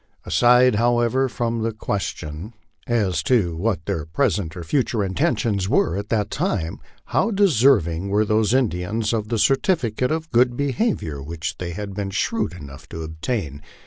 Aside, however, from the question as to what their present or future intentions were at that time, how deserving were those Indians of the certificate of good behavior which they had been shrewd enough to obtain